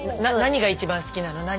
何が一番好きなの？